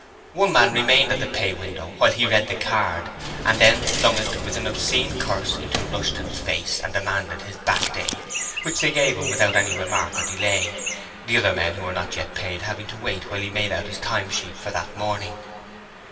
One man remained at the pay window while he read the card and then flung it with an obscene curse into Rushton's face, and demanded his back day, which they gave him without any remark or delay, the other men who were not yet paid having to wait while he made out his time sheet for that morning.